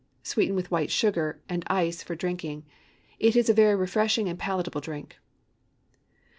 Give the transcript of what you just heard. Sweeten with white sugar, and ice for drinking. It is a refreshing and palatable drink.